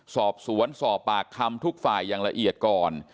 สอบสวนสอบปากคำทุกฝ่ายอย่างละเอียดก่อน